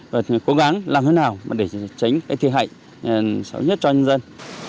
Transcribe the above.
và cố gắng làm thế nào để tránh thi hại xấu nhất cho nhân dân